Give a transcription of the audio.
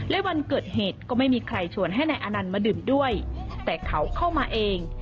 และวันเกิดเหตุก็ไม่มีใครชวนให้นายอนันต์มาดื่มด้วยแต่เขาเข้ามาเอง